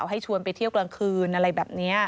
ให้ชวนไปเที่ยวกลางคืนอะไรแบบนี้